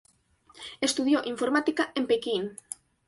Estudió informática en Pekín.